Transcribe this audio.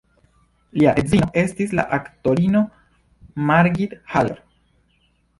Lia edzino estis la aktorino Margit Haller.